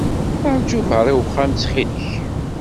Rju berra i uxxam, ttxil-k!